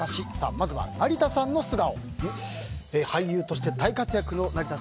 まずは成田さんの素顔。